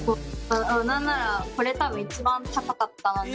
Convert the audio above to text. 何ならこれ多分一番高かったのに。